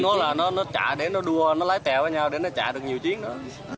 nói là nó chạy để nó đua nó lái tèo với nhau để nó chạy được nhiều chiến đó